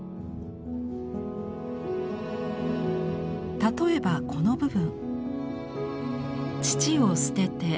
例えばこの部分。